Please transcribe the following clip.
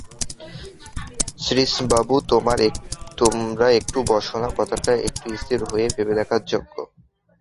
শ্রীশবাবু, তোমরা একটু বোসো-না, কথাটা একটু স্থির হয়ে ভেবে দেখবার যোগ্য।